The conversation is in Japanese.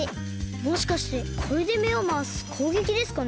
もしかしてこれでめをまわすこうげきですかね？